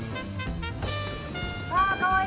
あかわいい。